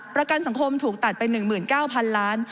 ประกันสังคมถูกตัดไป๑๙๐๐๐ล้าน